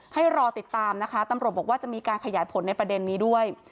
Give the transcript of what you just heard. ให้รอติดตามนะคะตำรวจบอกว่าจะมีการขยายผลในประเด็นนี้ด้วย